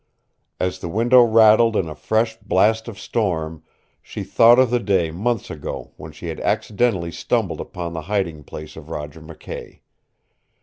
As the window rattled in a fresh blast of storm, she thought of the day months ago when she had accidentally stumbled upon the hiding place of Roger McKay.